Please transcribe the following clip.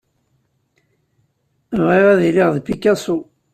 Bɣiɣ ad iliɣ d Picasso.